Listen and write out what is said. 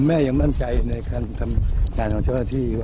คุณแม่ยังมั่นใจในการของเชิญละที่